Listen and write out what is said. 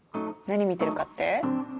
何見てるかって？